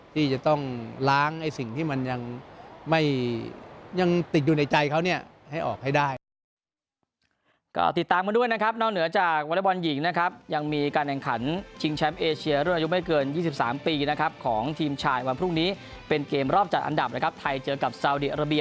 ที่จะต้องล้างสิ่งที่มันยังไม่ติดอยู่ในใจเขาให้ออกให้ได้